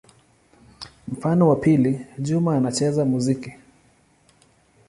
Mfano wa pili: Juma anacheza muziki.